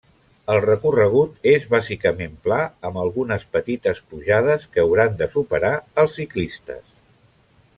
El recorregut és bàsicament pla, amb algunes petites pujades que hauran de superar els ciclistes.